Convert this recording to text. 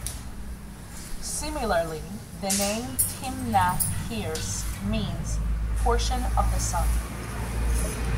Similarly, the name "Timnath-heres" means "portion of the sun".